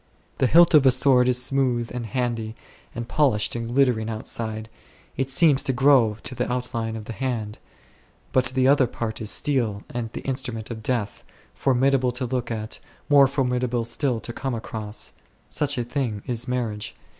The hilt of a sword is smooth and handy, and polished and glittering outside ; it seems to grow to the outline of the hand l ; but the other part is steel and the instrument of death, formidable to look at, more formidable still to come across. Such a thing is marriage.